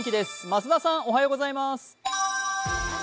増田さん、おはようございます。